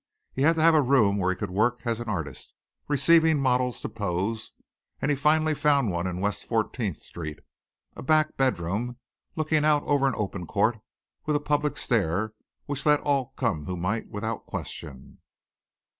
He had to have a room where he could work as an artist, receiving models to pose, and he finally found one in West 14th Street, a back bedroom, looking out over an open court and with a public stair which let all come who might without question.